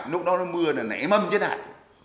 lúc đó nó mưa là nảy mâm trên hải